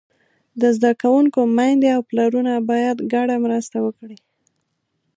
د زده کوونکو میندې او پلرونه باید ګډه مرسته وکړي.